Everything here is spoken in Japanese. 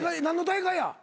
何の大会や？